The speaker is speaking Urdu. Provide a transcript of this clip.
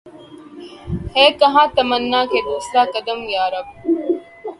ہے کہاں تمنا کا دوسرا قدم یا رب